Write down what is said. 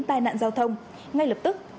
tài nạn giao thông ngay lập tức